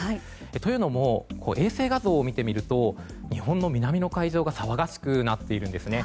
というのも衛星画像を見てみると日本の南の海上が騒がしくなっているんですね。